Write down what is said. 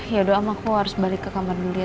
ya doang aku harus balik ke kamar dulu ya